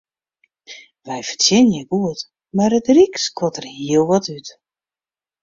Wy fertsjinje goed, mar it ryk skuort der hiel wat út.